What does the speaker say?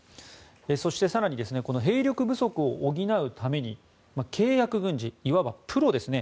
そして、更に兵力不足を補うために契約軍人、いわばプロですね。